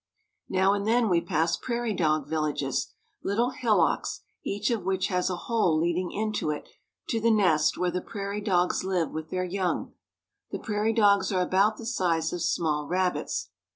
Now and then we pass prairie dog villages — lit tle hillocks, each of which has a hole leading into it to the nest where the prairie dogs live with their young. The prairie dogs are about the size of small rabbits.